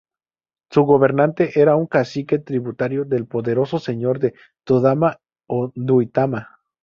Su gobernante era un Cacique, tributario del poderoso señor de Tundama o Duitama.